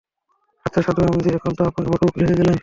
আচ্ছা সাধু রামজি, এখন তো আপনি বড় উকিল হয়ে গেলেন।